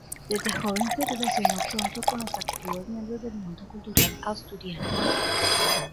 Desde joven se relacionó pronto con los más activos miembros del mundo cultural asturiano.